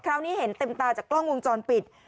คราวนี้เห็นเต็มตาจากกล้องวงจรปิด